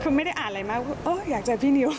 คือไม่ได้อ่านอะไรมากอยากเจอพี่นิว